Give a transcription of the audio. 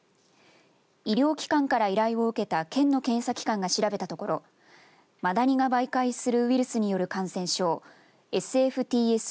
医療機関から依頼を受けた県の検査機関が調べたところマダニが媒介するウイルスによる感染症ＳＦＴＳ